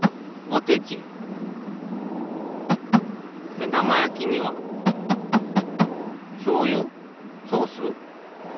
めだまやきにはしょうゆ？ソース？